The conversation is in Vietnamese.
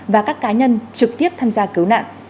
và các cá nhân trực tiếp tham gia cứu nạn